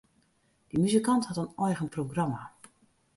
Dy muzikant hat in eigen programma.